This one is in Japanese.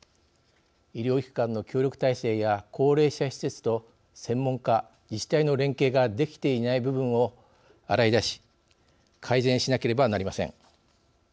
医療機関の協力体制や高齢者施設と専門家自治体の連携ができていない部分を洗い出し改善しなければなりません。